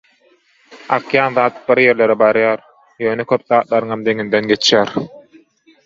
Akýan zat bir ýerlere barýar, ýöne köp zatlaryňam deňinden geçýär.